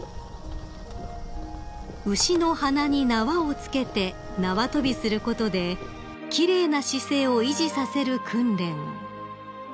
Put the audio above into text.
［牛の鼻に縄を付けて縄跳びすることで奇麗な姿勢を維持させる訓練］